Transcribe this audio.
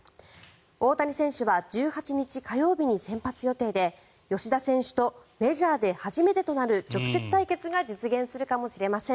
大谷選手は１８日火曜日に先発予定で吉田選手とメジャーで初めてとなる直接対決が実現するかもしれません。